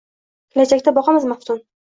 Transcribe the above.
Kelajakka boqamiz maftun.